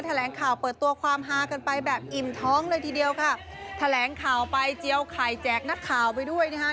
แถลงข่าวเปิดตัวความฮากันไปแบบอิ่มท้องเลยทีเดียวค่ะแถลงข่าวไปเจียวไข่แจกนักข่าวไปด้วยนะคะ